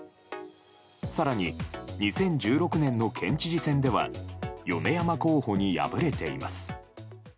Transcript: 更に、２０１６年の県知事選では米山候補に敗れています。